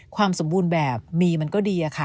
ความสมบูรณ์แบบมีมันก็ดีอะค่ะ